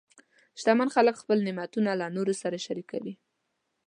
شتمن خلک خپل نعمتونه له نورو سره شریکوي.